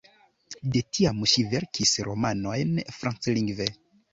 De tiam ŝi verkis romanojn franclingve.